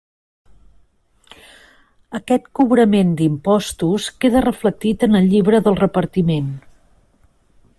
Aquest cobrament d'impostos queda reflectit en el Llibre del Repartiment.